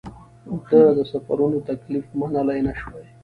ده د سفرونو تکلیف منلای نه شوای.